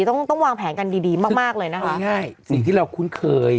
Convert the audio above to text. ต้องต้องวางแผนกันดีดีมากมากเลยนะคะง่ายสิ่งที่เราคุ้นเคย